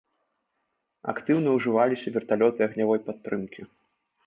Актыўна ўжываліся верталёты агнявой падтрымкі.